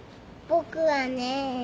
僕はね